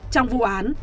trong vụ án